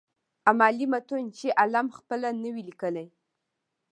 امالي متون چي عالم خپله نه وي ليکلي.